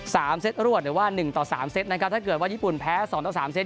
เซตรวดหรือว่าหนึ่งต่อสามเซตนะครับถ้าเกิดว่าญี่ปุ่นแพ้สองต่อสามเซต